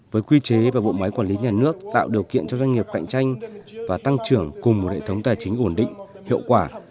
với quy chế và bộ máy quản lý nhà nước tạo điều kiện cho doanh nghiệp cạnh tranh và tăng trưởng cùng một hệ thống tài chính ổn định hiệu quả